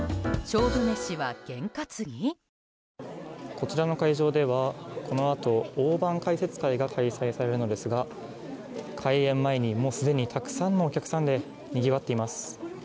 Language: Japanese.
こちらの会場ではこのあと大盤解説会が開催されるのですが開演前に、もうすでにたくさんのお客さんでにぎわっています。